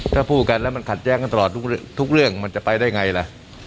ถ้าพูดกันแล้วมันขัดแย้งกันตลอดทุกเรื่องมันจะไปได้ไงล่ะ